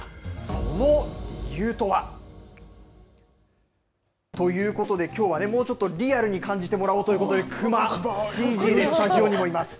その理由とは。ということできょうは、もうちょっとリアルに感じてもらおうということで、クマ、ＣＧでスタジオにもいます。